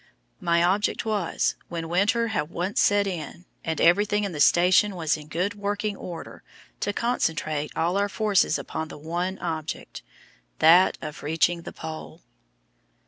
My object was, when winter had once set in, and everything in the station was in good working order, to concentrate all our forces upon the one object that of reaching the Pole.